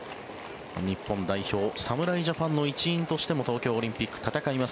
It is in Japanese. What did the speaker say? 日本代表侍ジャパンの一員としても東京オリンピック戦います